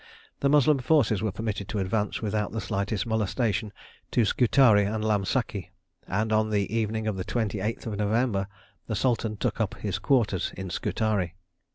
The Moslem forces were permitted to advance without the slightest molestation to Scutari and Lamsaki, and on the evening of the 28th of November the Sultan took up his quarters in Scutari.